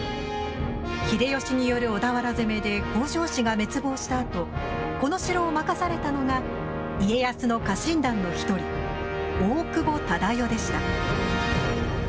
秀吉による小田原攻めで北条氏が滅亡したあと、この城を任されたのが家康の家臣団の１人、大久保忠世でした。